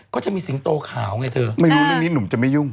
ก็จะมีสิงโตขาวไงเธอไม่รู้เรื่องนี้หนุ่มจะไม่ยุ่ง